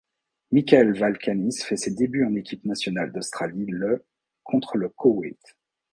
Michael Valkanis fait ses débuts en équipe nationale d'Australie le contre le Koweït.